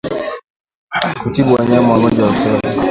Kutibu wanyama magonjwa ya kitabibu